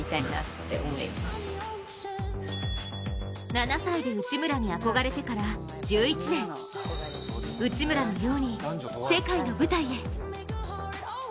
７歳で内村に憧れてから１１年内村のように世界の舞台へ。